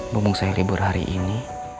mumpung saya libur hari ini